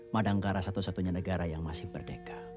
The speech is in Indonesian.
madangkara satu satunya negara yang masih merdeka